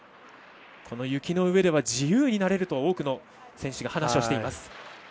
この雪の上では自由になれると多くの選手が話をしています。